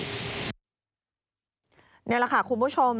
นี่แหละค่ะคุณผู้ชม